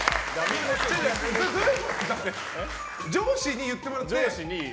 上司に言ってもらって。